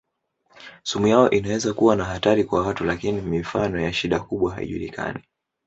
Sumu yao inaweza kuwa na hatari kwa watu lakini mifano ya shida kubwa haijulikani.